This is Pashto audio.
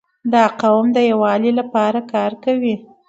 • دا قوم د یووالي لپاره کار کوي.